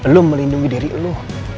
lo melindungi diri lo